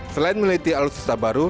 selain meliti alus susah baru